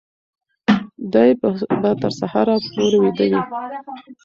دی به تر سهاره پورې ویده وي.